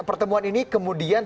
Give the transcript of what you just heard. pertemuan ini kemudian